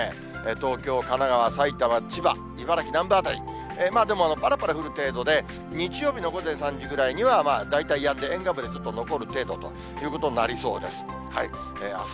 東京、神奈川、埼玉、千葉、茨城南部辺り、でもぱらぱら降る程度で、日曜日の午前３時ぐらいには大体やんで、沿岸部でちょっと残る程度ということになりそうです。